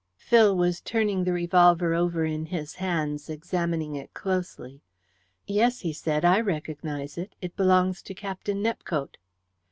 Phil was turning the revolver over in his hands, examining it closely. "Yes," he said. "I recognize it. It belongs to Captain Nepcote."